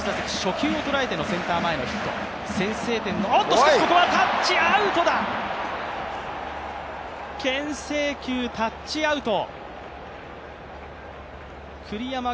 しかし、ここはタッチアウトだけん制球、タッチアウト。